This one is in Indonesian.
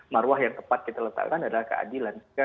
marwah yang tepat kita letakkan adalah keadilan